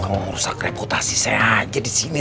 kamu merusak reputasi saya aja di sini